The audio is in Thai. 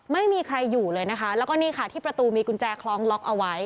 ไม่มีใครอยู่เลยนะคะแล้วก็นี่ค่ะที่ประตูมีกุญแจคล้องล็อกเอาไว้